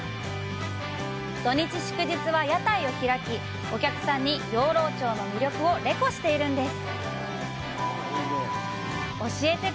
土日祝日は、屋台を開き、養老の町の魅力をレコしているんです。